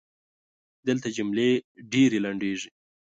دلته جملې ډېري لنډیږي.